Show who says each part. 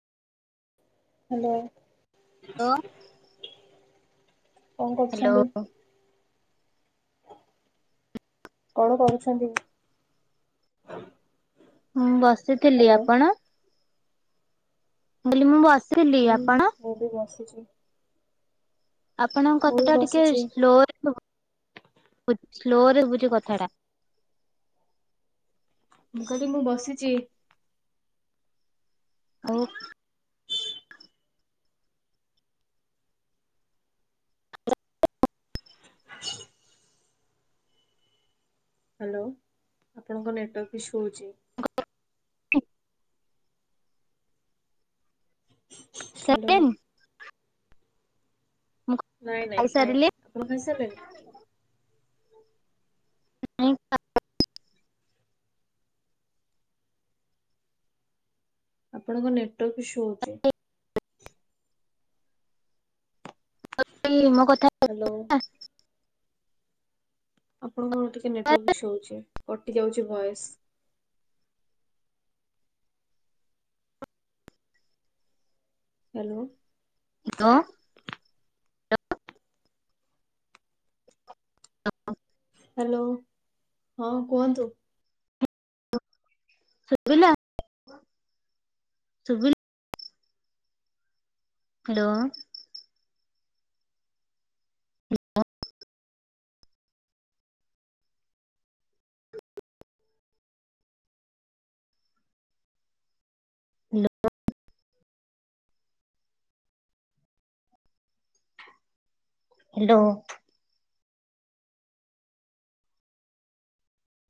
Speaker 1: Hello.
Speaker 2: ଲୋ।
Speaker 1: କଣ
Speaker 2: hello
Speaker 1: କରୁଛନ୍ତି? କଣ କରୁଛନ୍ତି?
Speaker 2: ମୁଁ ବସିଥିଲି
Speaker 1: ହ୍ୟାଲୋ
Speaker 2: ଆପଣ? ମୁଁ କଇଲି ମୁଁ ବସିଥିଲି
Speaker 1: ହୁଁ
Speaker 2: ଆପଣ?
Speaker 1: ମୁଁ ବି ବସିଛି।
Speaker 2: ଆପଣଙ୍କ
Speaker 1: ମୁଁ ବି
Speaker 2: କଥାଟା ଟିକେ
Speaker 1: ବସିଛି
Speaker 2: ସ୍ଲୋରେ ଶୁଭା ସ୍ଲୋରେ ଶୁଭୁଚି କଥା ଟା।
Speaker 1: ମୁଁ କଇଲି ମୁଁ ବସିଚି।
Speaker 2: ଆଉ
Speaker 1: ହାଲୋ ଆପଣଙ୍କ ନେଟୱର୍କ ଇସୁ ହଉଚି। ହାଲୋ।
Speaker 2: ଖାଇସାରିଲେଣି ମୁଁ କ
Speaker 1: ନାଇଁ ନାଇଁ ଖାଇନି ଆପଣ ଖାଇସାରିଲେଣି? ଆପଣଙ୍କ ନେଟୱର୍କ ଇସୁ ହଉଚି।
Speaker 2: [unintelligible] ମୋ କଥା
Speaker 1: ହାଲୋ। ଆପଣଙ୍କର ଟିକେ ନେଟୱାର୍କ ଇସ୍ୟୁ ହଉଚି କଟି ଯାଉଛି ଭଏସ୍। ହାଲୋ।
Speaker 2: ହାଲୋ। ହ।
Speaker 1: ହାଲୋ ହଁ କୁହନ୍ତୁ।
Speaker 2: ସୁବିଲା ସୁବି ହାଲୋ। [unintelligible] [unintelligible] ହାଲୋ।